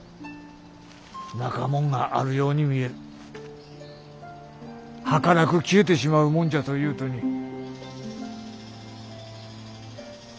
なかもんがあるように見えるはかなく消えてしまうもんじゃというとに。